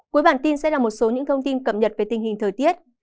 cuối bản tin sẽ là một số những thông tin cập nhật về tình hình thời tiết